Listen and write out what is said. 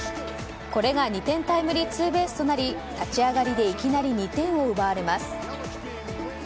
これが２点タイムリーツーベースとなり立ち上がりでいきなり２点を奪われます。